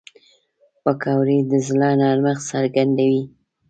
پکورې د زړه نرمښت څرګندوي